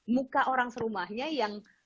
muka orang serumahnya yang